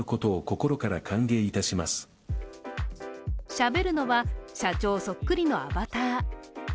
しゃべるのは、社長そっくりのアバター。